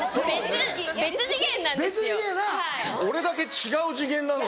俺だけ違う次元なの？